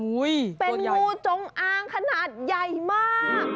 เป็นงูจงอางขนาดใหญ่มาก